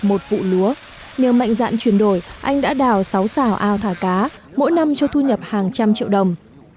một cây lúa nhờ mệnh dạn chuyển đổi anh đã đào sáu xảo ao thả cá mỗi năm cho thu nhập hàng trăm triệu đồng